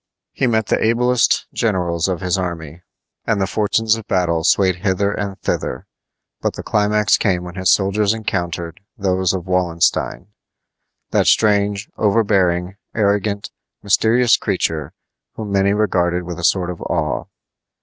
He met the ablest generals of his enemies, and the fortunes of battle swayed hither and thither; but the climax came when his soldiers encountered those of Wallenstein that strange, overbearing, arrogant, mysterious creature whom many regarded with a sort of awe.